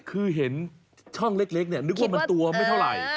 คือเห็นช่องเล็กนึกว่ามันตัวไม่เท่าไหร่